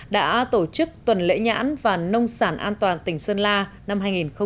đã tổ chức tuần lễ nhãn và nông sản an toàn tỉnh sơn la năm hai nghìn một mươi chín